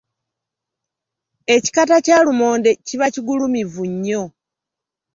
Ekikata kya lumonde kiba kigulumivu nnyo.